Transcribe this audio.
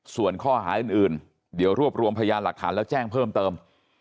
ส่วนข้อหาอื่นเดี๋ยวรวบรวมพยานหลักฐานแล้วแจ้งเพิ่มเติม